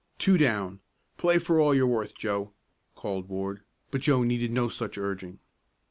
"Two down, play for all you're worth, Joe," called Ward; but Joe needed no such urging.